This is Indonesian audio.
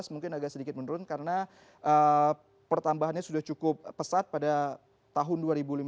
dua ribu enam belas dua ribu tujuh belas mungkin agak sedikit menurun karena pertambahannya sudah cukup pesat pada tahun dua ribu lima belas dua ribu enam belas